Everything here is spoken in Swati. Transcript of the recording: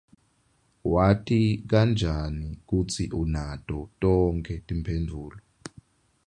Wati kanjani kutsi unato tonkhe timphendvulo?